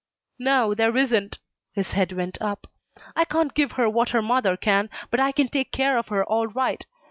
"No, there isn't." His head went up. "I can't give her what her mother can, but I can take care of her all right.